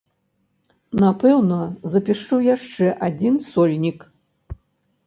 Напэўна, запішу яшчэ адзін сольнік.